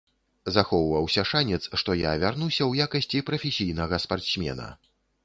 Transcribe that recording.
Захоўваўся шанец, што я вярнуся ў якасці прафесійнага спартсмена.